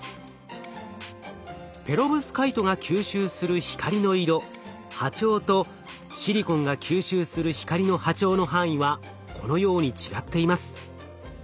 ペロブスカイトが吸収する光の色波長とシリコンが吸収する光の波長の範囲はこのように違っています。